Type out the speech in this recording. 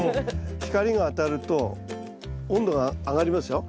光が当たると温度が上がりますよ。